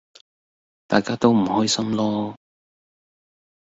大家都唔開心囉!